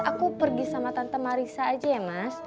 aku pergi sama tante marisa aja ya mas